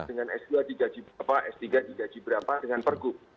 dengan s dua digaji berapa s tiga digaji berapa dengan pergub